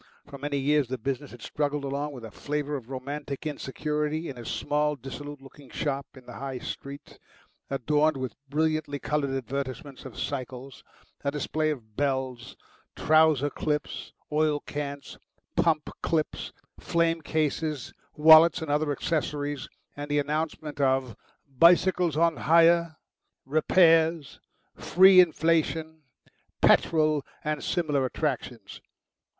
For many years the business had struggled along with a flavour of romantic insecurity in a small, dissolute looking shop in the High Street, adorned with brilliantly coloured advertisements of cycles, a display of bells, trouser clips, oil cans, pump clips, frame cases, wallets, and other accessories, and the announcement of "Bicycles on Hire," "Repairs," "Free inflation," "Petrol," and similar attractions.